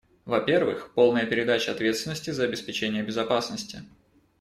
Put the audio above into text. Во-первых, полная передача ответственности за обеспечение безопасности.